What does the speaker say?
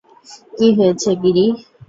কী হয়েছে, গিরি?